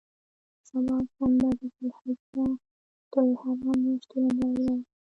سبا شنبه د ذوالحجة الحرام میاشتې لومړۍ ورځ ده.